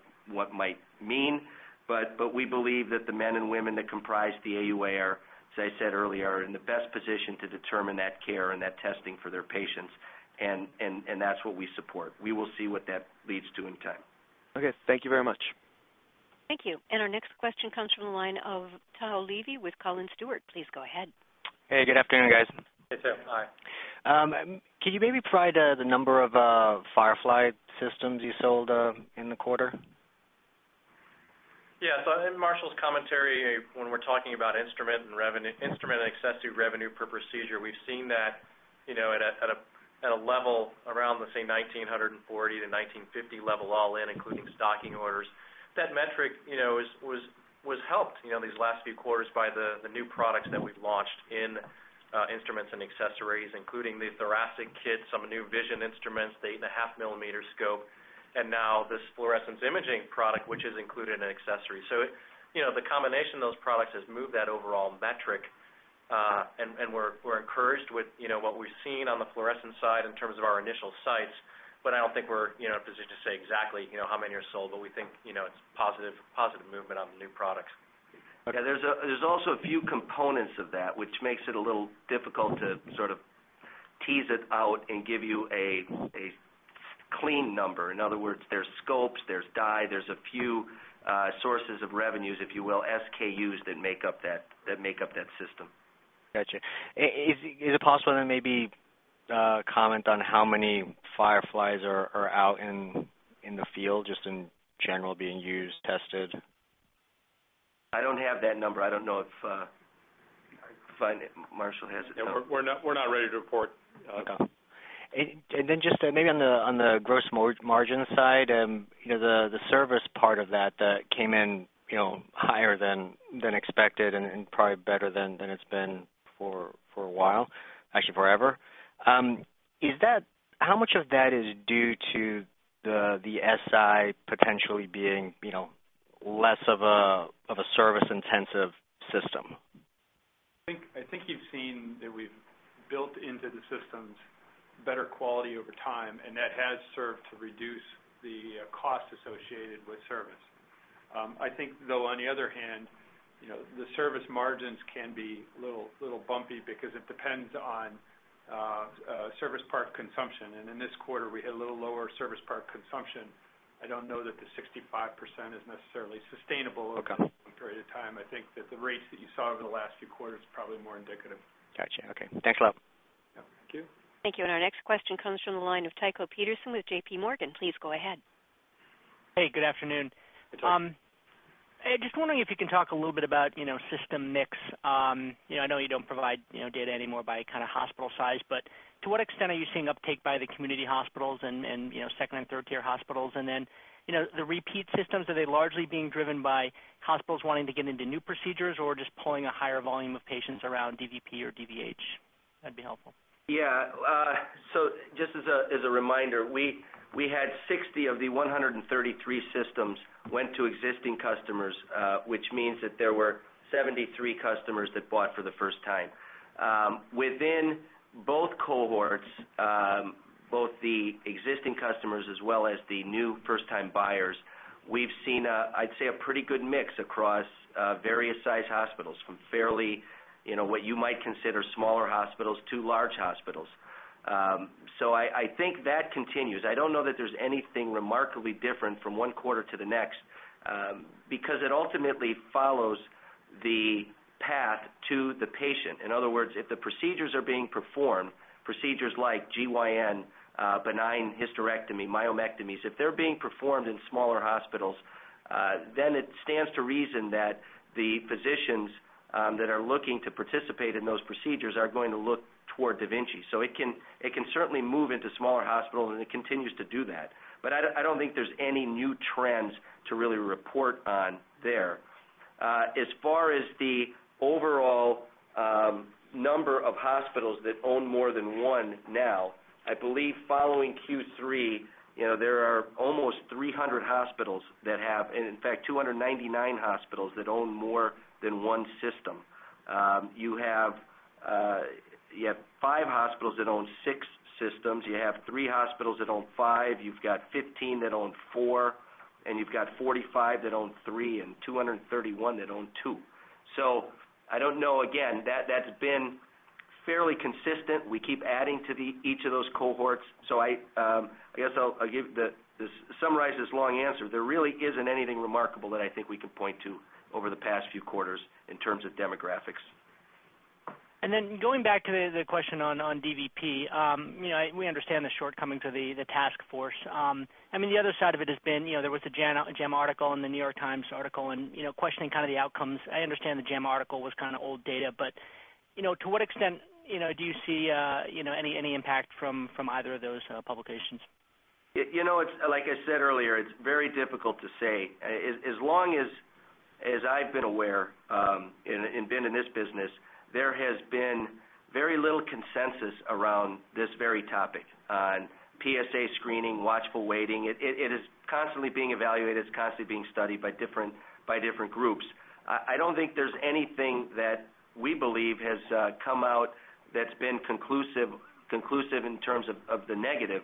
mean. We believe that the men and women that comprise the AUA are, as I said earlier, in the best position to determine that care and that testing for their patients, and that's what we support. We will see what that leads to in time. OK, thank you very much. Thank you. Our next question comes from the line of Tao Levy with Collins Stewart. Please go ahead. Hey, good afternoon, guys. Hi. Can you maybe provide the number of Firefly systems you sold in the quarter? Yeah, in Marshall's commentary, when we're talking about instrument and accessory revenue per procedure, we've seen that at a level around the $1,940-$1,950 level all in, including stocking orders. That metric was helped these last few quarters by the new products that we've launched in instruments and accessories, including the thoracic kit, some new vision instruments, the 8.5 mm scope, and now this fluorescence imaging product, which is included in accessories. The combination of those products has moved that overall metric, and we're encouraged with what we've seen on the fluorescence side in terms of our initial sites. I don't think we're in a position to say exactly how many are sold, but we think it's positive movement on the new products. OK. There's also a few components of that, which makes it a little difficult to sort of tease it out and give you a clean number. In other words, there's scopes, there's dye, there's a few sources of revenues, if you will, SKUs that make up that system. Gotcha. Is it possible to maybe comment on how many Fireflys are out in the field, just in general, being used, tested? I don't have that number. I don't know if Marshall has it. We're not ready to report. On the gross margin side, the service part of that came in higher than expected and probably better than it's been for a while, actually forever. How much of that is due to the SI potentially being less of a service-intensive system? I think you've seen that we've built into the systems better quality over time, and that has served to reduce the costs associated with service. I think, though, on the other hand, the service margins can be a little bumpy because it depends on service part consumption. In this quarter, we had a little lower service part consumption. I don't know that the 65% is necessarily sustainable over a period of time. I think that the rates that you saw over the last few quarters are probably more indicative. Gotcha. OK, thanks a lot. Thank you. Thank you. Our next question comes from the line of Tycho Peterson with JPMorgan. Please go ahead. Hey, good afternoon. Hey. I'm just wondering if you can talk a little bit about system mix. I know you don't provide data anymore by kind of hospital size, but to what extent are you seeing uptake by the community hospitals and second and third-tier hospitals? The repeat systems, are they largely being driven by hospitals wanting to get into new procedures or just pulling a higher volume of patients around DVP or DVH? That'd be helpful. Yeah, just as a reminder, we had 60 of the 133 systems went to existing customers, which means that there were 73 customers that bought for the first time. Within both cohorts, both the existing customers as well as the new first-time buyers, we've seen, I'd say, a pretty good mix across various size hospitals, from fairly what you might consider smaller hospitals to large hospitals. I think that continues. I don't know that there's anything remarkably different from one quarter to the next because it ultimately follows the path to the patient. In other words, if the procedures are being performed, procedures like GYN, benign hysterectomy, myomectomies, if they're being performed in smaller hospitals, then it stands to reason that the physicians that are looking to participate in those procedures are going to look toward Da Vinci. It can certainly move into smaller hospitals, and it continues to do that. I don't think there's any new trends to really report on there. As far as the overall number of hospitals that own more than one now, I believe following Q3, there are almost 300 hospitals that have, in fact, 299 hospitals that own more than one system. You have five hospitals that own six systems. You have three hospitals that own five. You've got 15 that own four, and you've got 45 that own three and 231 that own two. I don't know, again, that's been fairly consistent. We keep adding to each of those cohorts. I guess I'll summarize this long answer. There really isn't anything remarkable that I think we could point to over the past few quarters in terms of demographics. Going back to the question on DVP, we understand the shortcomings of the task force. The other side of it has been, there was a JAMA article and The New York Times article questioning kind of the outcomes. I understand the JAMA article was kind of old data, but to what extent do you see any impact from either of those publications? Like I said earlier, it's very difficult to say. As long as I've been aware and been in this business, there has been very little consensus around this very topic on PSA screening, watchful waiting. It is constantly being evaluated and constantly being studied by different groups. I don't think there's anything that we believe has come out that's been conclusive in terms of the negative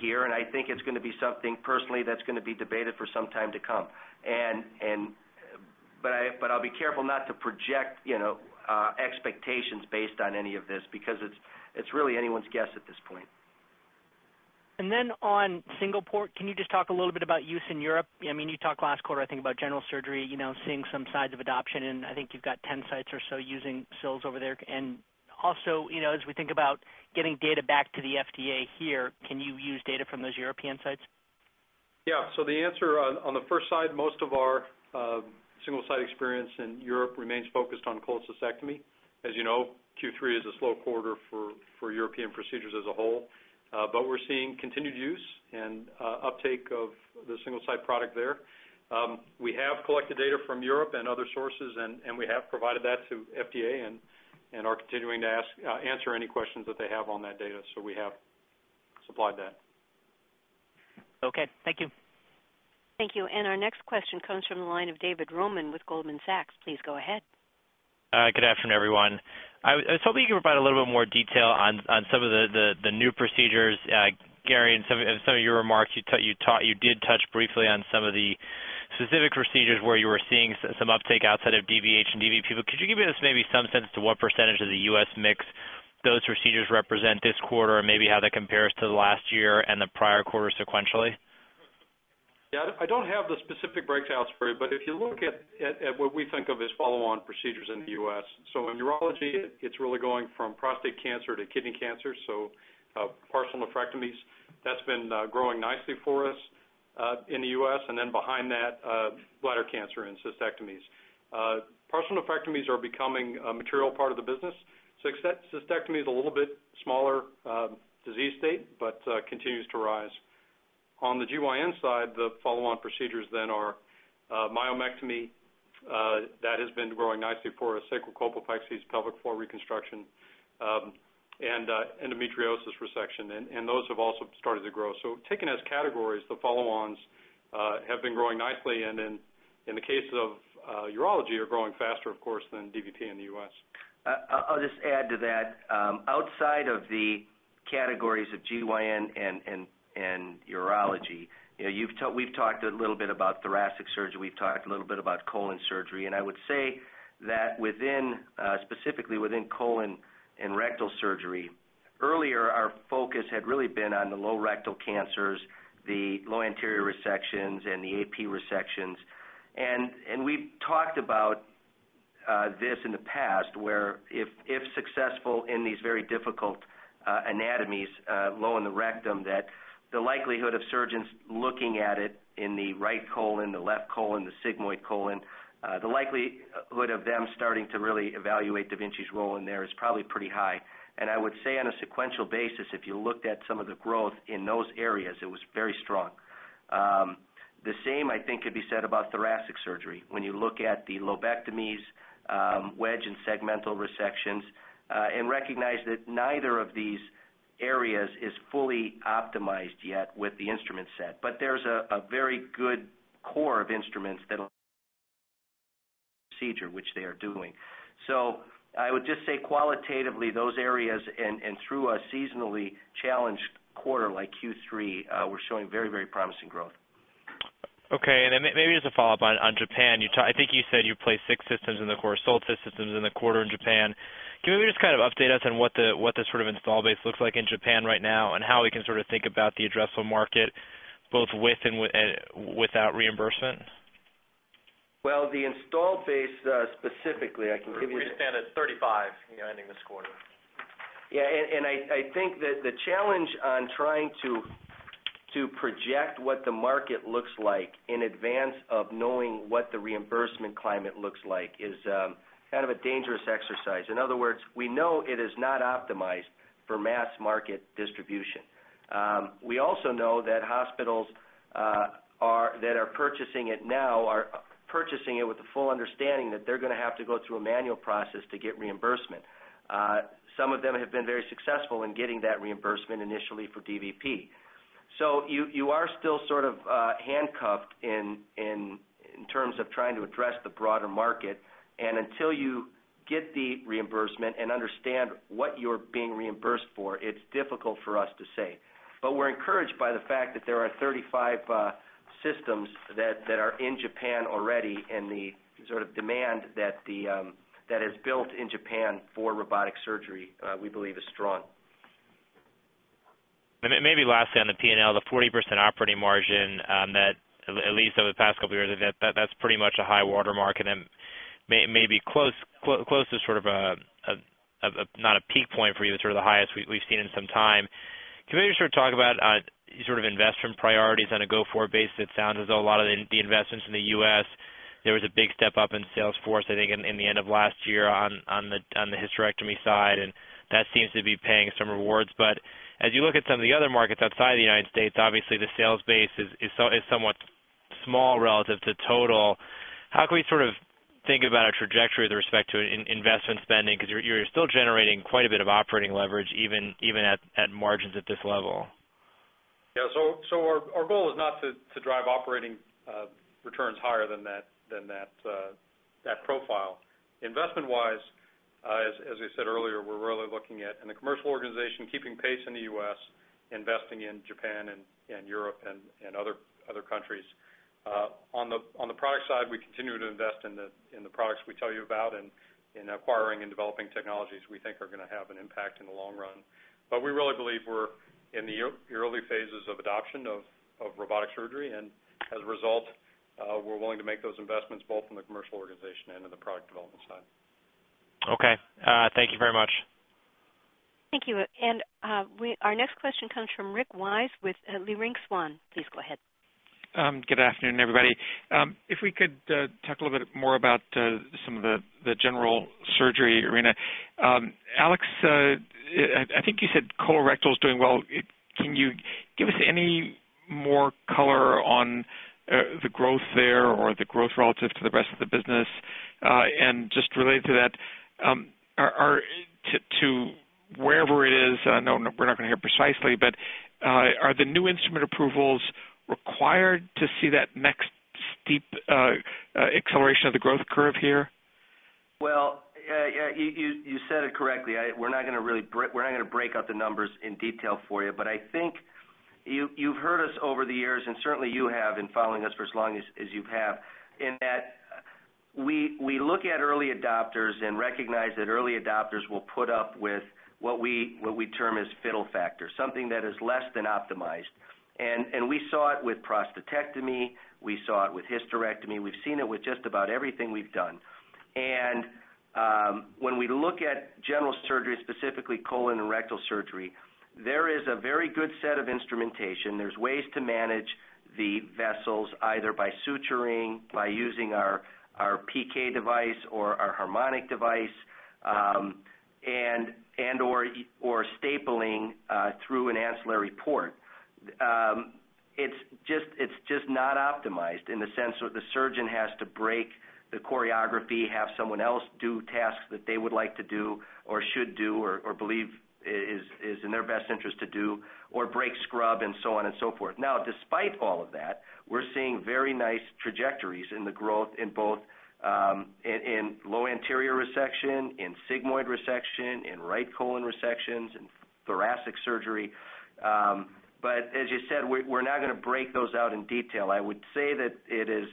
here. I think it's going to be something personally that's going to be debated for some time to come. I'll be careful not to project expectations based on any of this because it's really anyone's guess at this point. On single port, can you just talk a little bit about use in Europe? You talked last quarter, I think, about general surgery, seeing some signs of adoption, and I think you've got 10 sites or so using SPs over there. Also, as we think about getting data back to the FDA here, can you use data from those European sites? Yeah, so the answer on the first side, most of our single-site experience in Europe remains focused on cholecystectomy. As you know, Q3 is a slow quarter for European procedures as a whole. We're seeing continued use and uptake of the single-site product there. We have collected data from Europe and other sources, and we have provided that to the FDA and are continuing to answer any questions that they have on that data. We have supplied that. OK, thank you. Thank you. Our next question comes from the line of David Roman with Goldman Sachs. Please go ahead. Good afternoon, everyone. I was hoping you could provide a little bit more detail on some of the new procedures, Gary, and some of your remarks. You did touch briefly on some of the specific procedures where you were seeing some uptake outside of DVH and DVP. Could you give us maybe some sense to what percentage of the U.S. mix those procedures represent this quarter and maybe how that compares to last year and the prior quarter sequentially? Yeah, I don't have the specific breakdowns for you. If you look at what we think of as follow-on procedures in the U.S., in urology, it's really going from prostate cancer to kidney cancer, so partial nephrectomies. That's been growing nicely for us in the U.S., and behind that, bladder cancer and cystectomies. Partial nephrectomies are becoming a material part of the business. Cystectomy is a little bit smaller disease state, but continues to rise. On the GYN side, the follow-on procedures then are myomectomy. That has been growing nicely for sacral colpopexies, pelvic floor reconstruction, and endometriosis resection. Those have also started to grow. Taken as categories, the follow-ons have been growing nicely. In the case of urology, they're growing faster, of course, than DVP in the U.S. I'll just add to that. Outside of the categories of GYN and urology, we've talked a little bit about thoracic surgery. We've talked a little bit about colon surgery. I would say that specifically within colon and rectal surgery, earlier our focus had really been on the low rectal cancers, the low anterior resections, and the AP resections. We've talked about this in the past, where if successful in these very difficult anatomies, low in the rectum, the likelihood of surgeons looking at it in the right colon, the left colon, the sigmoid colon, the likelihood of them starting to really evaluate Da Vinci's role in there is probably pretty high. I would say on a sequential basis, if you looked at some of the growth in those areas, it was very strong. The same, I think, could be said about thoracic surgery. When you look at the lobectomies, wedge, and segmental resections, and recognize that neither of these areas is fully optimized yet with the instrument set, there's a very good core of instruments that procedure, which they are doing. I would just say qualitatively, those areas, and through a seasonally challenged quarter like Q3, were showing very, very promising growth. OK, maybe just a follow-up on Japan. I think you said you placed six systems in the quarter, sold six systems in the quarter in Japan. Can you maybe just kind of update us on what the sort of install base looks like in Japan right now and how we can sort of think about the addressable market, both with and without reimbursement? The install base specifically, I can give you. We expand at 35, ending this quarter. Yeah, I think that the challenge on trying to project what the market looks like in advance of knowing what the reimbursement climate looks like is kind of a dangerous exercise. In other words, we know it is not optimized for mass market distribution. We also know that hospitals that are purchasing it now are purchasing it with the full understanding that they're going to have to go through a manual process to get reimbursement. Some of them have been very successful in getting that reimbursement initially for DVP. You are still sort of handcuffed in terms of trying to address the broader market. Until you get the reimbursement and understand what you're being reimbursed for, it's difficult for us to say. We're encouraged by the fact that there are 35 systems that are in Japan already, and the sort of demand that is built in Japan for robotic surgery, we believe, is strong. Lastly, on the P&L, the 40% operating margin that at least over the past couple of years, that's pretty much a high watermark. Maybe close to sort of not a peak point for you, but sort of the highest we've seen in some time. Can we maybe sort of talk about investment priorities on a go-forward basis? It sounds as though a lot of the investments in the U.S., there was a big step up in sales force, I think, in the end of last year on the hysterectomy side, and that seems to be paying some rewards. As you look at some of the other markets outside the United States, obviously the sales base is somewhat small relative to total. How can we sort of think about a trajectory with respect to investment spending? You're still generating quite a bit of operating leverage, even at margins at this level. Yeah, our goal is not to drive operating returns higher than that profile. Investment-wise, as we said earlier, we're really looking at, in the commercial organization, keeping pace in the U.S., investing in Japan and Europe and other countries. On the product side, we continue to invest in the products we tell you about and in acquiring and developing technologies we think are going to have an impact in the long run. We really believe we're in the early phases of adoption of robotic surgery. As a result, we're willing to make those investments both in the commercial organization and in the product development side. OK, thank you very much. Thank you. Our next question comes from Rick Wise with Leerink Swann. Please go ahead. Good afternoon, everybody. If we could talk a little bit more about some of the general surgery arena. Aleks, I think you said colorectal is doing well. Can you give us any more color on the growth there or the growth relative to the rest of the business? Just related to that, to wherever it is, I know we're not going to hear precisely, but are the new instrument approvals required to see that next steep acceleration of the growth curve here? You said it correctly. We're not going to break out the numbers in detail for you. I think you've heard us over the years, and certainly you have in following us for as long as you have, in that we look at early adopters and recognize that early adopters will put up with what we term as fiddle factor, something that is less than optimized. We saw it with prostatectomy. We saw it with hysterectomy. We've seen it with just about everything we've done. When we look at general surgery, specifically colon and rectal surgery, there is a very good set of instrumentation. There are ways to manage the vessels, either by suturing, by using our PK device or our harmonic device, and/or stapling through an ancillary port. It's just not optimized in the sense that the surgeon has to break the choreography, have someone else do tasks that they would like to do or should do or believe is in their best interest to do, or break scrub, and so on and so forth. Now, despite all of that, we're seeing very nice trajectories in the growth in both low anterior resection, in sigmoid resection, in right colon resections, and thoracic surgery. As you said, we're not going to break those out in detail. I would say that it is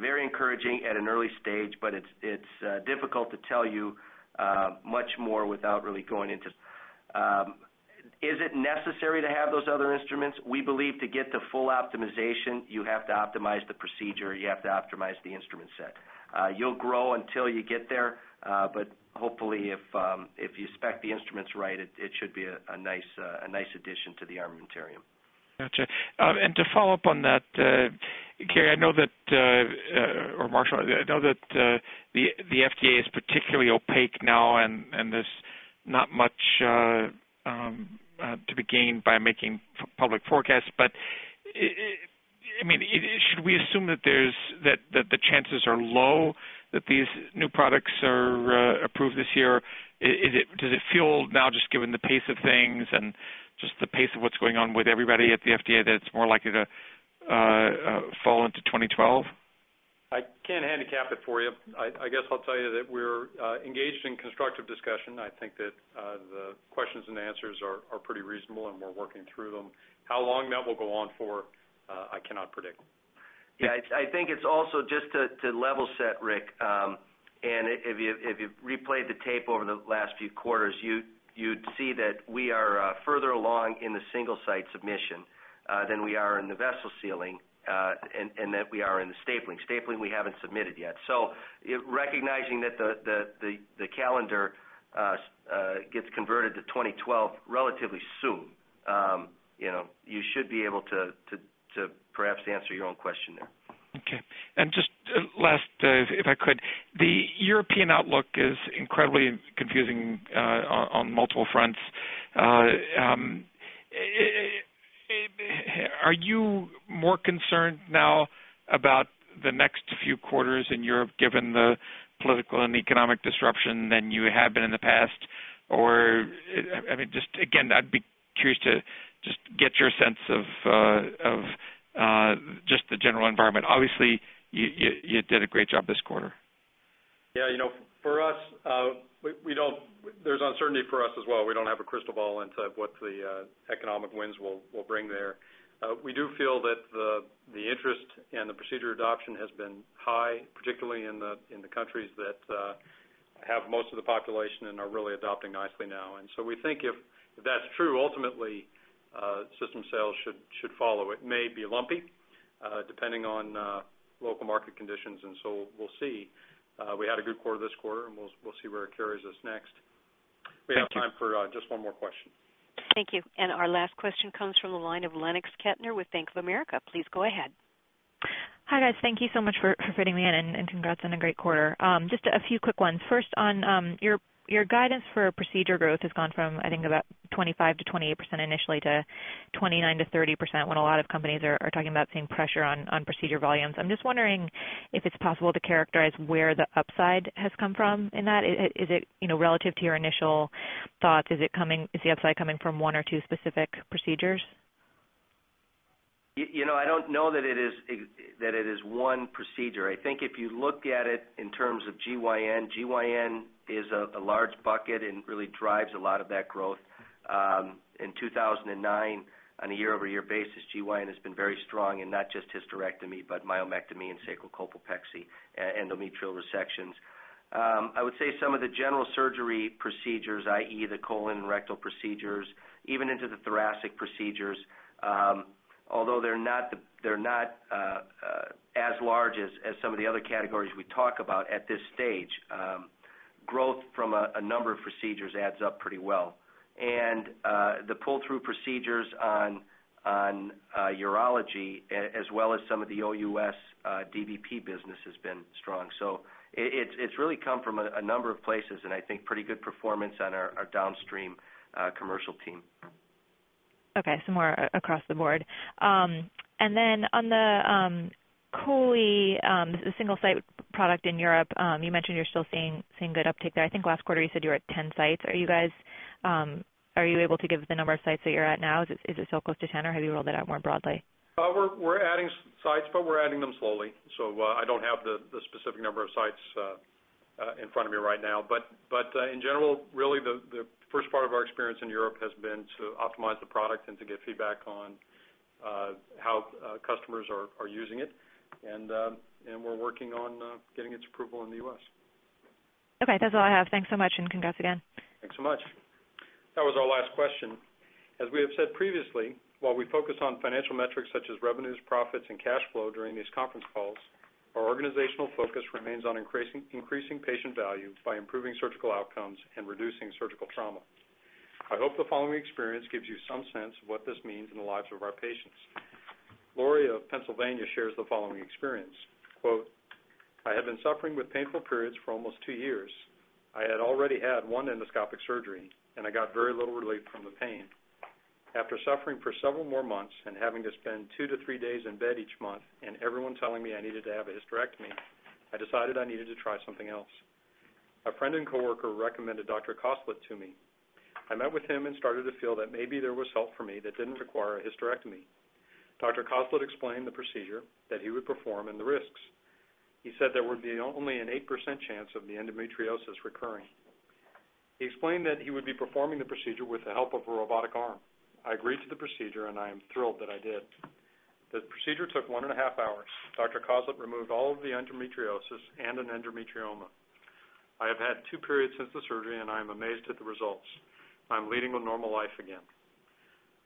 very encouraging at an early stage, but it's difficult to tell you much more without really going into. Is it necessary to have those other instruments? We believe to get to full optimization, you have to optimize the procedure. You have to optimize the instrument set. You'll grow until you get there. Hopefully, if you spec the instruments right, it should be a nice addition to the armamentarium. Gotcha. To follow up on that, Gary, I know that, or Marshall, I know that the FDA is particularly opaque now, and there's not much to be gained by making public forecasts. Should we assume that the chances are low that these new products are approved this year? Does it feel now, just given the pace of things and just the pace of what's going on with everybody at the FDA, that it's more likely to fall into 2012? I can't handicap it for you. I'll tell you that we're engaged in constructive discussion. I think that the questions and answers are pretty reasonable, and we're working through them. How long that will go on for, I cannot predict. Yeah, I think it's also just to level set, Rick. If you replayed the tape over the last few quarters, you'd see that we are further along in the single site submission than we are in the vessel sealing and that we are in the stapling. Stapling, we haven't submitted yet. Recognizing that the calendar gets converted to 2012 relatively soon, you should be able to perhaps answer your own question there. OK. And just last, if I could, the European outlook is incredibly confusing on multiple fronts. Are you more concerned now about the next few quarters in Europe, given the political and economic disruption than you had been in the past? I'd be curious to just get your sense of just the general environment. Obviously, you did a great job this quarter. For us, there's uncertainty for us as well. We don't have a crystal ball into what the economic winds will bring there. We do feel that the interest and the procedure adoption has been high, particularly in the countries that have most of the population and are really adopting nicely now. We think if that's true, ultimately system sales should follow. It may be lumpy, depending on local market conditions. We'll see. We had a good quarter this quarter, and we'll see where it carries us next. We have time for just one more question. Thank you. Our last question comes from the line of Lennox Ketner with Bank of America. Please go ahead. Hi, guys. Thank you so much for fitting me in and congrats on a great quarter. Just a few quick ones. First, on your guidance for procedure growth, it has gone from, I think, about 25%-28% initially to 29%-30%, when a lot of companies are talking about seeing pressure on procedure volumes. I'm just wondering if it's possible to characterize where the upside has come from in that. Is it relative to your initial thoughts? Is the upside coming from one or two specific procedures? I don't know that it is one procedure. I think if you look at it in terms of GYN, GYN is a large bucket and really drives a lot of that growth. In 2009, on a year-over-year basis, GYN has been very strong in not just hysterectomy, but myomectomy and sacral colpopexy, endometrial resections. I would say some of the general surgery procedures, i.e., the colon and rectal procedures, even into the thoracic procedures, although they're not as large as some of the other categories we talk about at this stage, growth from a number of procedures adds up pretty well. The pull-through procedures on urology, as well as some of the OUS DVP business, has been strong. It's really come from a number of places, and I think pretty good performance on our downstream commercial team. OK, more across the board. On the Cooley, the single site product in Europe, you mentioned you're still seeing good uptake there. I think last quarter you said you were at 10 sites. Are you able to give the number of sites that you're at now? Is it still close to 10, or have you rolled it out more broadly? We're adding sites, but we're adding them slowly. I don't have the specific number of sites in front of me right now. In general, the first part of our experience in Europe has been to optimize the product and to get feedback on how customers are using it. We're working on getting its approval in the U.S. OK, that's all I have. Thanks so much, and congrats again. Thanks so much. That was our last question. As we have said previously, while we focus on financial metrics such as revenues, profits, and cash flow during these conference calls, our organizational focus remains on increasing patient value by improving surgical outcomes and reducing surgical trauma. I hope the following experience gives you some sense of what this means in the lives of our patients. Lori of Pennsylvania shares the following experience. Quote, "I have been suffering with painful periods for almost two years. I had already had one endoscopic surgery, and I got very little relief from the pain. After suffering for several more months and having to spend two to three days in bed each month and everyone telling me I needed to have a hysterectomy, I decided I needed to try something else. A friend and coworker recommended Dr. Kosselit to me. I met with him and started to feel that maybe there was help for me that didn't require a hysterectomy. Dr. Kosselit explained the procedure that he would perform and the risks. He said there would be only an 8% chance of the endometriosis recurring. He explained that he would be performing the procedure with the help of a robotic arm. I agreed to the procedure, and I am thrilled that I did. The procedure took one and a half hours. Dr. Kosselit removed all of the endometriosis and an endometrioma. I have had two periods since the surgery, and I am amazed at the results. I'm leading a normal life again.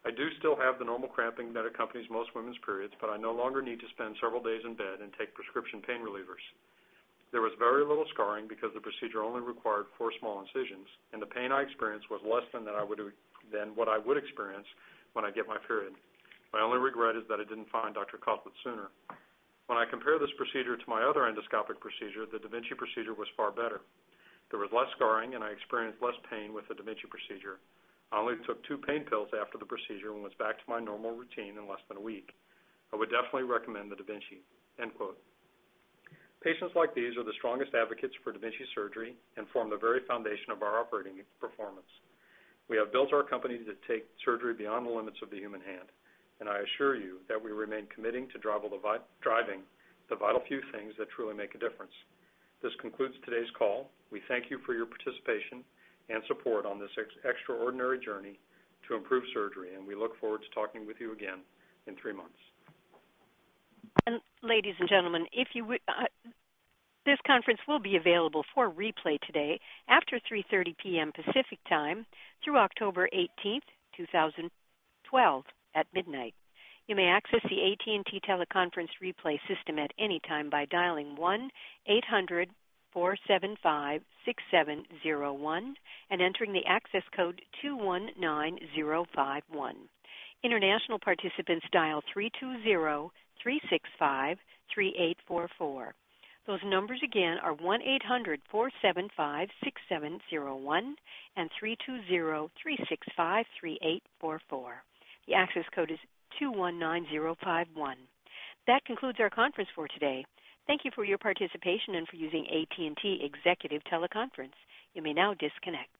I do still have the normal cramping that accompanies most women's periods, but I no longer need to spend several days in bed and take prescription pain relievers. There was very little scarring because the procedure only required four small incisions, and the pain I experienced was less than what I would experience when I get my period. My only regret is that I didn't find Dr. Kosselit sooner. When I compare this procedure to my other endoscopic procedure, the Da Vinci procedure was far better. There was less scarring, and I experienced less pain with the Da Vinci procedure. I only took two pain pills after the procedure and was back to my normal routine in less than a week. I would definitely recommend the Da Vinci." Patients like these are the strongest advocates for Da Vinci surgery and form the very foundation of our operating performance. We have built our company to take surgery beyond the limits of the human hand. I assure you that we remain committed to driving the vital few things that truly make a difference. This concludes today's call. We thank you for your participation and support on this extraordinary journey to improve surgery, and we look forward to talking with you again in three months. Ladies and gentlemen, this conference will be available for replay today after 3:30 P.M. Pacific Time through October 18, 2012, at midnight. You may access the AT&T teleconference replay system at any time by dialing 1-800-475-6701 and entering the access code 219051. International participants dial 320-365-3844. Those numbers again are 1-800-475-6701 and 320-365-3844. The access code is 219051. That concludes our conference for today. Thank you for your participation and for using AT&T executive teleconference. You may now disconnect.